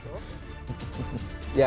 terima kasih bang